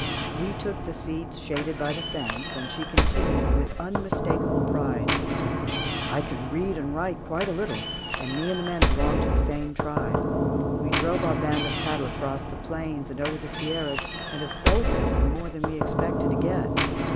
We took the seats shaded by the fence and she continued with unmistakable pride: "I can read and write quite a little, and me and the men belong to the same tribe. We drove our band of cattle across the plains and over the Sierras, and have sold them for more than we expected to get.